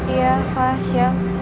iya fah siap